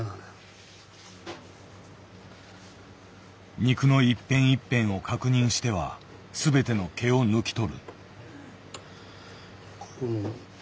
肉の一片一片を確認しては全ての毛を抜き取る。